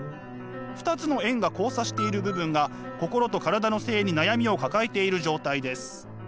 ２つの円が交差している部分が心と体の性に悩みを抱えている状態です。